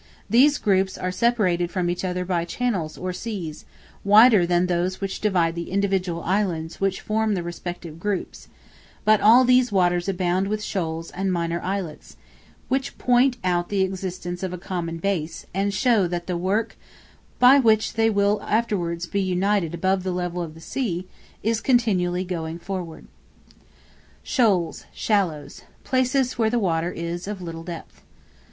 These groups are separated from each other by channels or seas, wider than those which divide the individual islands which form the respective groups; but all these waters abound with shoals and minor islets, which point out the existence of a common base, and show that the work by which they will afterwards be united above the level of the sea is continually going forward. Shoals, shallows; places where the water is of little depth.